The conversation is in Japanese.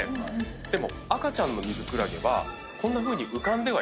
でも赤ちゃんのミズクラゲはこんなふうに浮かんではいないんです。